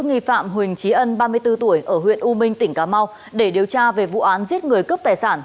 nghi phạm huỳnh trí ân ba mươi bốn tuổi ở huyện u minh tỉnh cà mau để điều tra về vụ án giết người cướp tài sản